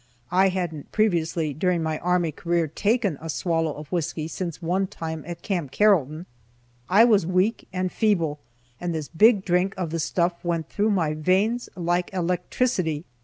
I hadn't previously during my army career taken a swallow of whisky since one time at Camp Carrollton; I was weak and feeble, and this big drink of the stuff went through my veins like electricity.